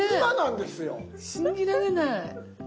信じられない。